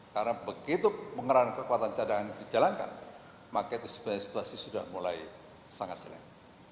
karena begitu mengeran kekuatan cadangan dijalankan maka itu sebenarnya situasi sudah mulai sangat jalan